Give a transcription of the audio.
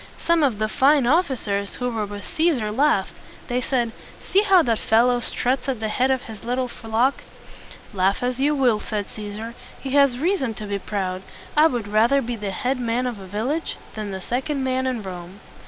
Some of the fine of fi cers who were with Cæsar laughed. They said, "See how that fellow struts at the head of his little flock!" "Laugh as you will," said Cæsar, "he has reason to be proud. I would rather be the head man of a village than the second man in Rome!"